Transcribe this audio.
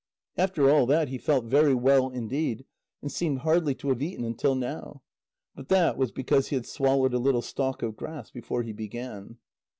After all that he felt very well indeed, and seemed hardly to have eaten until now. But that was because he had swallowed a little stalk of grass before he began.